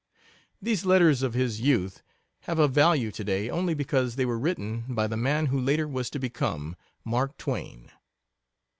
These letters of his youth have a value to day only because they were written by the man who later was to become Mark Twain.